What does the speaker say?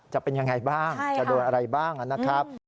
จะเป็นยังไงบ้างจะโดนอะไรบ้างนะครับ